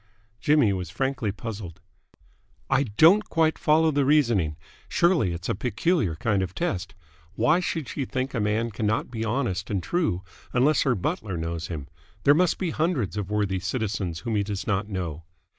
Jimmy was frankly puzzled. "I don't quite follow the reasoning. Surely it's a peculiar kind of test. Why should she think a man cannot be honest and true unless her butler knows him? There must be hundreds of worthy citizens whom he does not know."